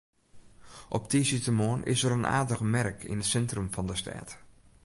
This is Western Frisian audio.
Op tiisdeitemoarn is der in aardige merk yn it sintrum fan de stêd.